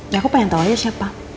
ya aku pengen tau aja siapa